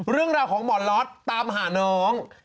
เรื่องราวของหมอล็อตตามหาน้อง